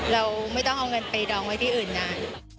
เราไม่ต้องเอาเงินไปดองไว้ที่อื่นนาน